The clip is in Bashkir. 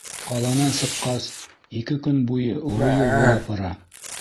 Ҡаланан сыҡҡас, ике көн буйы оло юл буйлап бара.